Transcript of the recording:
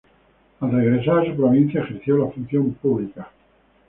Al regresar a su Provincia ejerció la función pública.